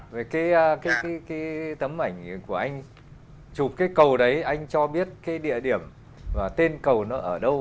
về cái tấm ảnh của anh chụp cái cầu đấy anh cho biết cái địa điểm và tên cầu nó ở đâu